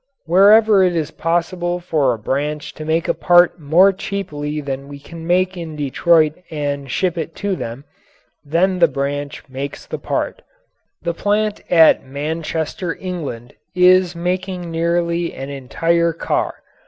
Wherever it is possible for a branch to make a part more cheaply than we can make it in Detroit and ship it to them, then the branch makes the part. The plant at Manchester, England, is making nearly an entire car.